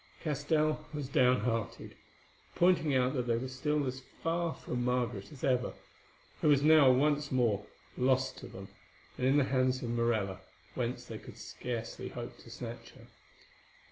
Castell was downhearted, pointing out that they were still as far from Margaret as ever, who was now once more lost to them, and in the hand of Morella, whence they could scarcely hope to snatch her.